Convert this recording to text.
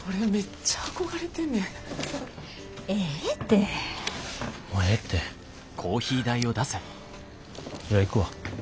じゃあ行くわ。